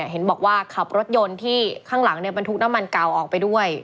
เห็นบอกว่าขับรถยนต์ที่ข้างหลังบรรทุกน้ำมันเก่าออกไปด้วย